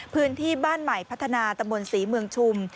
พื้นที่บ้านใหม่พัฒนาตำบลศรีเมืองชุม